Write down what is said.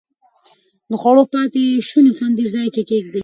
د خوړو پاتې شوني خوندي ځای کې کېږدئ.